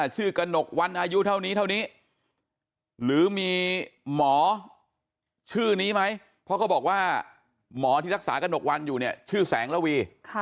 กระหนกวันอายุเท่านี้เท่านี้หรือมีหมอชื่อนี้ไหมเพราะเขาบอกว่าหมอที่รักษากระหนกวันอยู่เนี่ยชื่อแสงระวี